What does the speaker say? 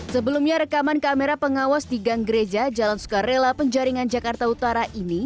sebelumnya rekaman kamera pengawas di gang gereja jalan sukarela penjaringan jakarta utara ini